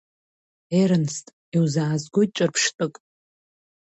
Ернст, иузаазгоит ҿырԥштәык.